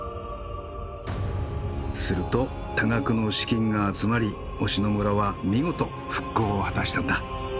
すると多額の資金が集まり忍野村は見事復興を果たしたんだ。